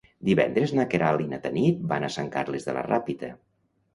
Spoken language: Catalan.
Divendres na Queralt i na Tanit van a Sant Carles de la Ràpita.